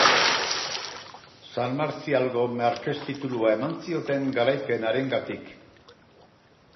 San Martzialgo markes-titulua eman zioten garaipen harengatik.